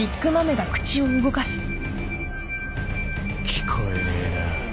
聞こえねえな。